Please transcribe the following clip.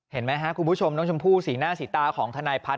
เห็นไหมครับคุณผู้ชมน้องชมพู่สีหน้าสีตาของทนายพัฒน